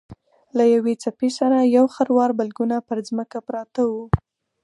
له یوې څپې سره یو خروار بلګونه پر ځمکه پراته وو.